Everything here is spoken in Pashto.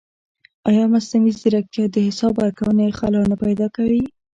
ایا مصنوعي ځیرکتیا د حساب ورکونې خلا نه پیدا کوي؟